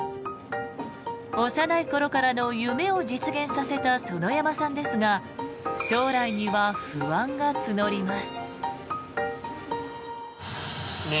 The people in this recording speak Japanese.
幼い頃からの夢を実現させた園山さんですが将来には不安が募ります。